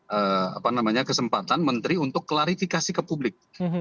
itu sebabnya kami memberikan kesempatan menteri untuk klarifikasi ke publik